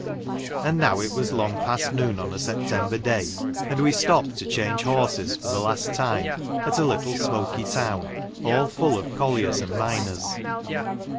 And now it was long past noon on a September day, and we stopped to change horses for the last time at a little smoky town, all full of colliers and miners.